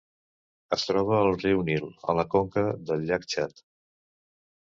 Es troba al riu Nil i a la conca del llac Txad.